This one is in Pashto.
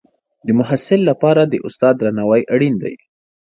د محصل لپاره د استاد درناوی اړین دی.